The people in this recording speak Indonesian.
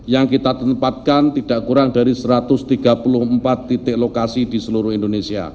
yang kita tempatkan tidak kurang dari satu ratus tiga puluh empat titik lokasi di seluruh indonesia